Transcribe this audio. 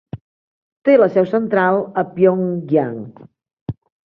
Té la seu central a Pyongyang.